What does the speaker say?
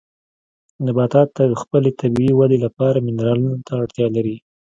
نباتات د خپلې طبیعي ودې لپاره منرالونو ته اړتیا لري.